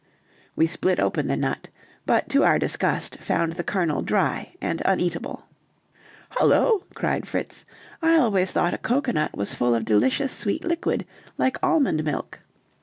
We split open the nut, but, to our disgust, found the kernel dry and uneatable. "Hullo," cried Fritz, "I always thought a cocoanut was full of delicious sweet liquid, like almond milk."